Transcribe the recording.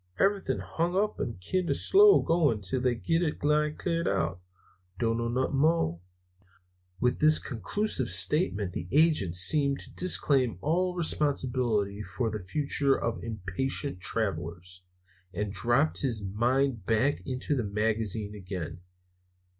Everythin' hung up an' kinder goin' slow till they git the line clear. Dunno nothin' more." With this conclusive statement the agent seemed to disclaim all responsibility for the future of impatient travelers, and dropped his mind back into the magazine again.